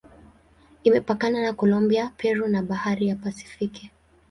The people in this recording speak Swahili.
Imepakana na Kolombia, Peru na Bahari ya Pasifiki.